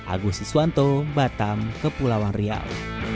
agus iswanto batam kepulauan riau